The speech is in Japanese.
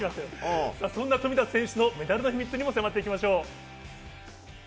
富田選手のメダルの秘密に迫っていきましょう。